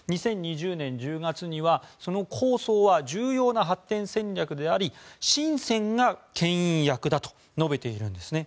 ２０２０年１０月にはその構想は重要な発展戦略でありシンセンが牽引役だと述べているんですね。